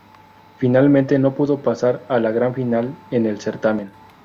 Finalmente, no pudo pasar a la Gran Final en el certamen.